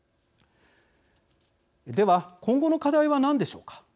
では、今後の課題は何でしょうか。